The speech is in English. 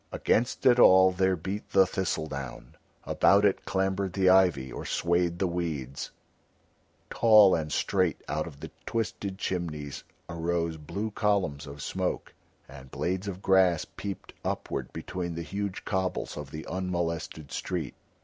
Against it all there beat the thistle down, about it clambered the ivy or swayed the weeds; tall and straight out of the twisted chimneys arose blue columns of smoke, and blades of grass peeped upward between the huge cobbles of the unmolested street.